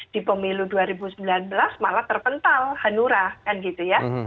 di pemilu dua ribu sembilan belas malah terpental hanura kan gitu ya